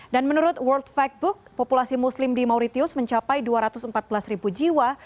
dan menurut world factbook populasi muslim di mauritius mencapai dua ratus empat belas ribu jiwa